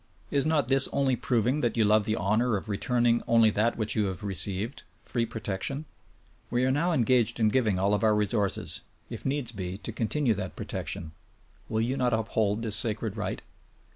Is not this only proving that you love the honor of returning only that which you have received — free protection? We are now engaged in giving all of our resources, if needs be, to continue that protection : Will you not uphold this sacred right?